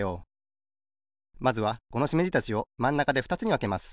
まずはこのしめじたちをまんなかでふたつにわけます。